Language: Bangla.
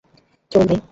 চলুন, ভাই!